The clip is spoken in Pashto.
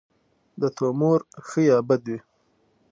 د تومور ښه یا بد وي.